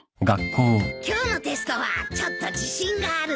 今日のテストはちょっと自信があるんだ。